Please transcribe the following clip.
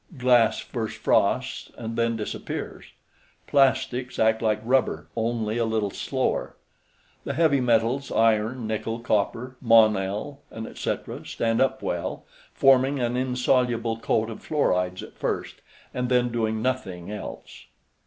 Glass first frosts and then disappears. Plastics act like rubber, only a little slower. The heavy metals, iron, nickel, copper, monel, etc., stand up well, forming an insoluble coat of fluorides at first and then doing nothing else.